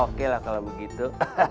oke lah kalau begitu